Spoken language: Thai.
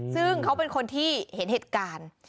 ซึ่งเขาเป็นคนที่เห็นเหตุการณ์